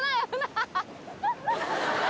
ハハハ！